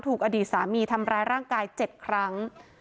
อดีตสามีทำร้ายร่างกาย๗ครั้ง